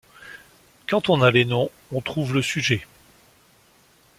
Quand on a les noms, on trouve le sujet.